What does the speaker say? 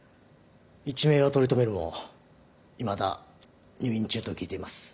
一命は取り留めるもいまだ入院中と聞いています。